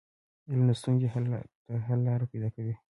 علم د ستونزو حل ته لار پيداکوي.